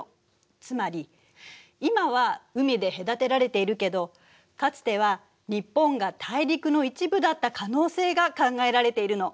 つまり今は海で隔てられているけどかつては日本が大陸の一部だった可能性が考えられているの。